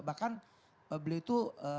bahkan beliau itu